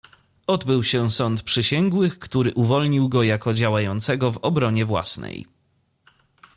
"Odbył się sąd przysięgłych, który uwolnił go jako działającego w obronie własnej."